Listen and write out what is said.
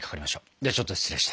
ではちょっと失礼して。